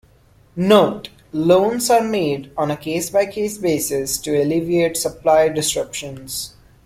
Note: Loans are made on a case-by-case basis to alleviate supply disruptions.